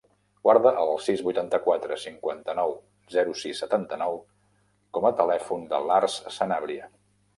Guarda el sis, vuitanta-quatre, cinquanta-nou, zero, sis, setanta-nou com a telèfon de l'Arç Sanabria.